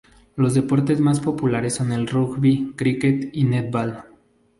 Los deportes más populares son el rugby, cricket y netball.